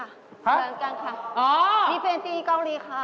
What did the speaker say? อ๋อมีแฟนที่เกาะลีค่ะมีแฟนที่เกาะลีค่ะ